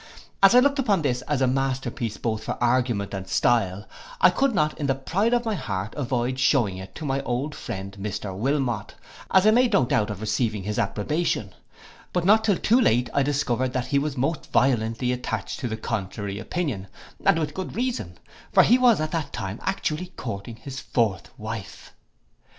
As I looked upon this as a master piece both for argument and style, I could not in the pride of my heart avoid shewing it to my old friend Mr Wilmot, as I made no doubt of receiving his approbation; but not till too late I discovered that he was most violently attached to the contrary opinion, and with good reason; for he was at that time actually courting a fourth wife.